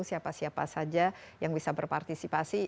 siapa siapa saja yang bisa berpartisipasi